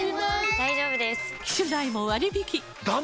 大丈夫です！